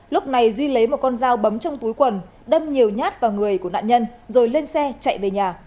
lúc này duy lấy một con dao bấm trong túi quần đâm nhiều nhát vào người của nạn nhân rồi lên xe chạy về nhà